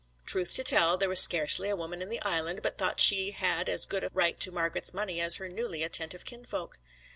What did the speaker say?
Truth to tell, there was scarcely a woman in the Island but thought she had as good a right to Margret's money as her newly attentive kinsfolk.